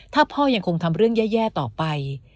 ถ้าพ่อยังคงทำเรื่องแย่ต่อไป